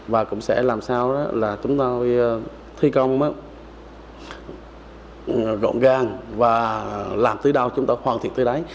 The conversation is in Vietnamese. và cũng sẽ làm sao chúng tôi thi công gọn gàng và làm tư đao chúng tôi hoàn thiện tư đáy